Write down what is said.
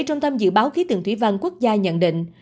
trung tâm dự báo khí tượng thủy văn quốc gia nhận định